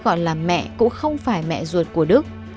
còn là mẹ cũng không phải mẹ ruột của đức